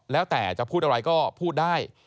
แล้วแต่จะพูดอะไรก็พูดได้